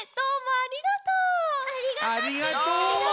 ありがとう！